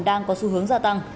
đang có xu hướng gia tăng